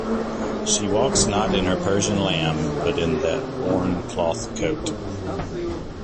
She walks not in her Persian lamb, but in that worn cloth coat.